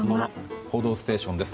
「報道ステーション」です。